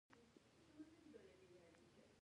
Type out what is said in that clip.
په ټولنه کې د شته سرچینو استثمار څخه برخمن شي.